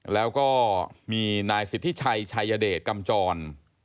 แล้วก็มีนายสิทธิชัยชัยเดชกำจร